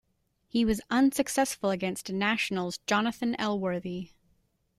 He was unsuccessful against National's Jonathan Elworthy.